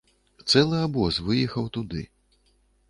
Цэлы абоз выехаў туды.